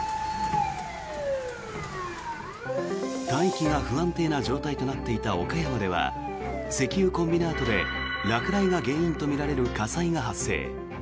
大気が不安定な状態となっていた岡山では石油コンビナートで落雷が原因とみられる火災が発生。